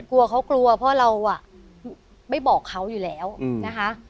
กลัวเขากลัวเพราะเราไม่บอกเขาอยู่แล้วนะคะ